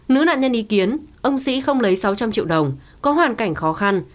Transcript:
nữ nạn nhân ý kiến ông sĩ không lấy sáu trăm linh triệu đồng có hoàn cảnh khó khăn